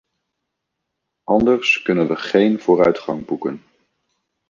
Anders kunnen we geen vooruitgang boeken.